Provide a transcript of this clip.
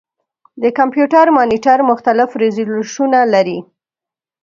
د کمپیوټر مانیټر مختلف ریزولوشنونه لري.